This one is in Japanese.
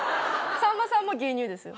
さんまさんも牛乳ですよ。